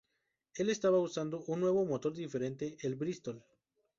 Él estaba usando un nuevo motor diferente, el Bristol.